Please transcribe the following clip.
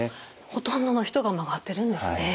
ほとんどの人が曲がってるんですね。